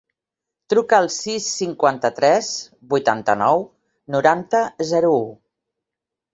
Truca al sis, cinquanta-tres, vuitanta-nou, noranta, zero, u.